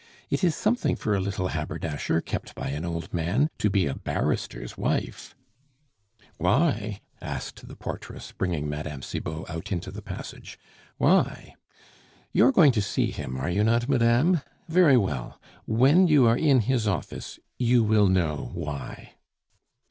"It is something for a little haberdasher, kept by an old man, to be a barrister's wife " "Why? " asked the portress, bringing Mme. Cibot out into the passage. "Why? You are going to see him, are you not, madame? Very well, when you are in his office you will know why."